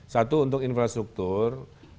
satu untuk infrastruktur